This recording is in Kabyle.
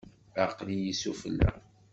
Aql-iyi sufella.